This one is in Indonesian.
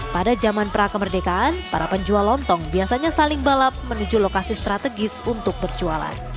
pada zaman prakemerdekaan para penjual lontong biasanya saling balap menuju lokasi strategis untuk berjualan